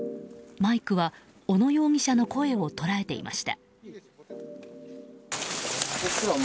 マイクは小野容疑者の声を捉えていました。